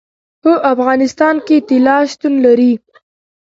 په افغانستان کې طلا شتون لري.